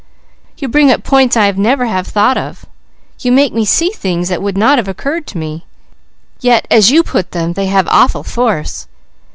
You bring up points I never have thought of; you make me see things that would not have occurred to me; yet as you put them, they have awful force.